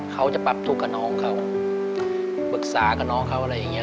เค้าจะปรับธุกก็น้องเค้าปรึกษาก็น้องเค้าอะไรอย่างเงี้ย